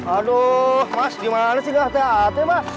aduh mas gimana sih gak hati hati mas